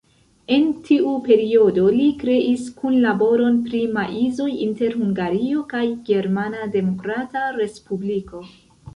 En tiu periodo li kreis kunlaboron pri maizoj inter Hungario kaj Germana Demokrata Respubliko.